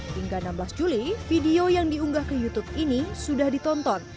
hingga enam belas juli video yang diunggah ke youtube ini sudah ditonton